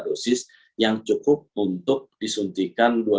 dosis yang cukup untuk disuntikan